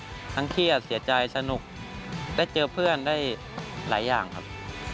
ทั้งเครียดเสียใจสนุกได้เจอเพื่อนได้หลายอย่างครับ